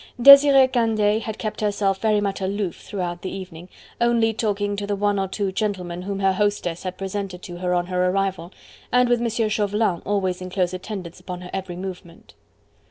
Desiree Candeille had kept herself very much aloof throughout the evening, only talking to the one or two gentlemen whom her hostess had presented to her on her arrival, and with M. Chauvelin always in close attendance upon her every movement.